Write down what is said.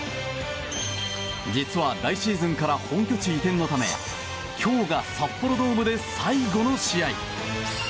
実は来シーズンから本拠地移転のため今日が札幌ドームで最後の試合。